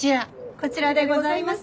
こちらでございます。